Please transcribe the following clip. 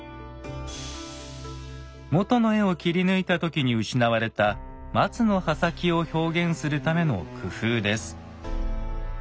元の絵を切り抜いた時に失われた「松の葉先」を表現するための工夫です。